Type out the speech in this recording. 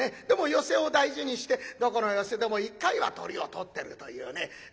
でも寄席を大事にしてどこの寄席でも１回はトリを取ってるというね。